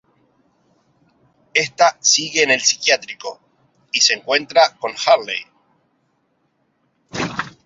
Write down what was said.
Esta sigue en el psiquiátrico, y se encuentra con Hurley.